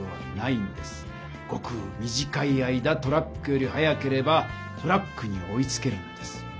ごく短い間トラックより速ければトラックに追いつけるんです。